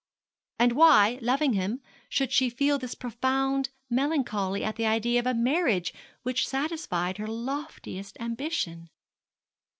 And why, loving him, should she feel this profound melancholy at the idea of a marriage which satisfied her loftiest ambition?